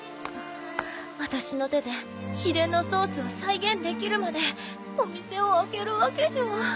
ワタシの手で秘伝のソースを再現できるまでお店を開けるわけには。